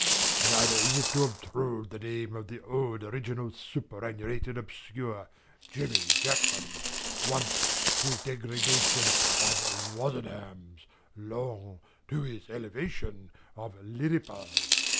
Neither is it to obtrude the name of the old original superannuated obscure Jemmy Jackman, once (to his degradation) of Wozenham's, long (to his elevation) of Lirriper's.